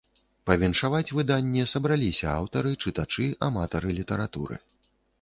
Павіншаваць выданне сабраліся аўтары, чытачы, аматары літаратуры.